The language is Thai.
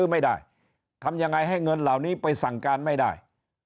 ไม่ได้ทำยังไงให้เงินเหล่านี้ไปสั่งการไม่ได้